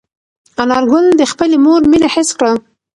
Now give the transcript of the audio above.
انارګل د خپلې مور مینه حس کړه.